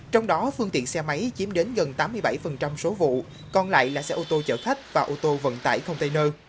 trong đó phương tiện xe máy chiếm đến gần tám mươi bảy số vụ còn lại là xe ô tô chở khách và ô tô vận tải container